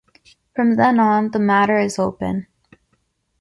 From then on, the matter is open.